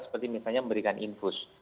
seperti misalnya memberikan infus